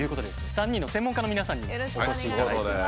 ３人の専門家の皆さんにもお越しいただいています。